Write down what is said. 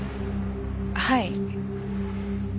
はい。